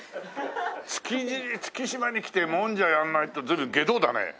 築地月島に来てもんじゃやらないって随分外道だね。